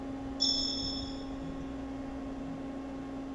这是中国首次举行冬季大学生运动会。